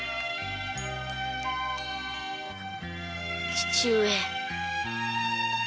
父上。